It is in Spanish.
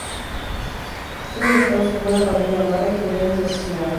Son emboscados por una pandilla armada y Julian es asesinada.